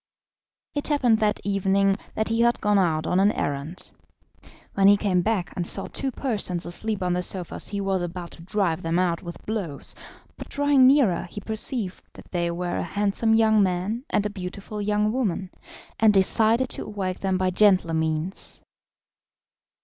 It happened that evening that he had gone out on an errand. When he came back and saw two persons asleep on the sofas he was about to drive them out with blows, but drawing nearer he perceived that they were a handsome young man and beautiful young woman, and decided to awake them by gentler means.